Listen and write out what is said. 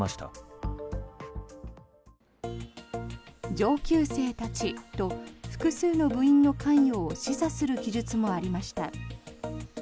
上級生たちと複数の部員の関与を示唆する記述もありました。